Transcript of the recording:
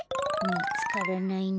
みつからないな。